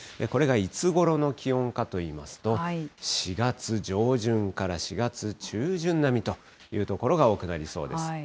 これがいつごろの気温かといいますと、４月上旬から４月中旬並みという所が多くなりそうです。